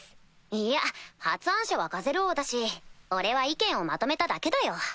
いや発案者はガゼル王だし俺は意見をまとめただけだよ。